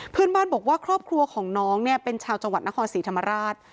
เพื่อนบ้านบอกว่าครอบครัวของน้องเนี่ยเป็นชาวจังหวัดนครศรีธรรมราช